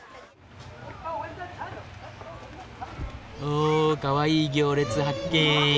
おかわいい行列発見！